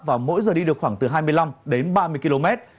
và mỗi giờ đi được khoảng từ hai mươi năm đến ba mươi km